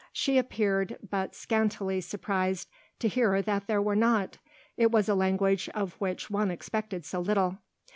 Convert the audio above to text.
She appeared but scantily surprised to hear that there were not it was a language of which one expected so little.